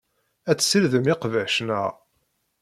Ad tessirdem iqbac, naɣ?